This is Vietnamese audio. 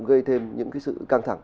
gây thêm những sự căng thẳng